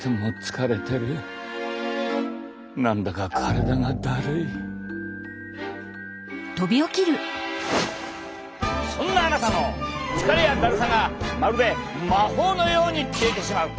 何だかそんなあなたの疲れやだるさがまるで魔法のように消えてしまう！